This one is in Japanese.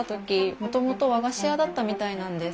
もともと和菓子屋だったみたいなんです。